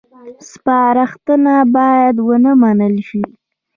سپارښتنه باید ونه منل شي